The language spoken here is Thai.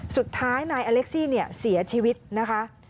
สุดท้ายนายอเล็กซี่เสียชีวิตนะคะ